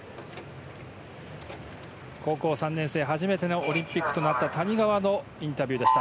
高校３年生初めてのオリンピックとなった谷川のインタビューでした。